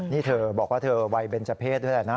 นี่เธอบอกว่าเธอวัยเบนเจอร์เพศด้วยแหละนะ